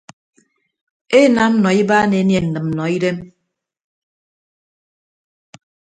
Enam nọ ibaan enie nnịmnnọidem.